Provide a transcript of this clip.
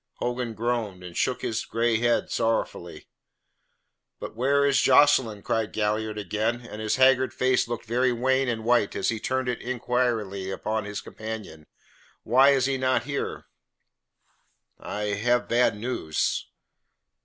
Hogan groaned and shook his grey head sorrowfully. "But where is Jocelyn?" cried Galliard again, and his haggard face looked very wan and white as he turned it inquiringly upon his companion. "Why is he not here?" "I have bad news."